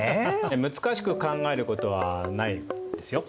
難しく考えることはないですよ。